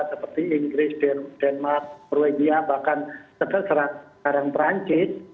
seperti inggris denmark norwegia bahkan sekarang perancis